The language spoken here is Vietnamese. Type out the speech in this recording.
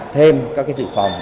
thêm các dự phòng